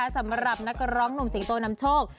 สำหรับนักร้องหนุ่มสิงโตนำโชค